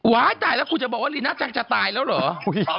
ตายแล้วคุณจะบอกว่าลีน่าจังจะตายแล้วเหรอ